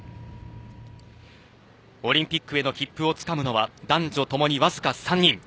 オリンピックへの切符をつかむのは男女ともにわずか３人。